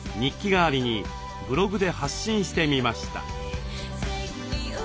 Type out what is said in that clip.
代わりにブログで発信してみました。